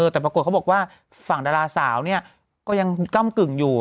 แต่ปรากฏเขาบอกว่าฝั่งดาราสาวเนี่ยก็ยังก้ำกึ่งอยู่